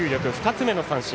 ２つ目の三振。